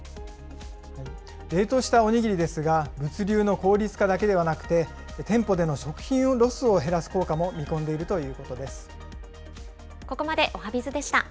冷凍したおにぎりですが、物流の効率化だけではなくて、店舗での食品ロスを減らす効果も見込んでいるということです。